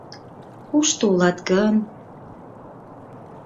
— Кушто улат гын?